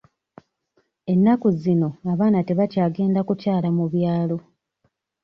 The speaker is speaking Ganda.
Ennaku zino abaana tebakyagenda kukyala mu byalo.